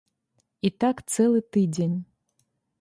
І так цэлы тыдзень.